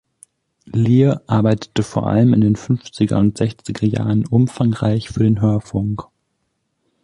Lier arbeitete vor allem in den fünfziger und sechziger Jahren umfangreich für den Hörfunk.